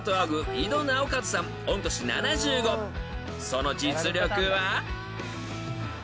［その実力は？］